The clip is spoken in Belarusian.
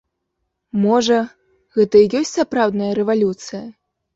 Можа, гэта і ёсць сапраўдная рэвалюцыя.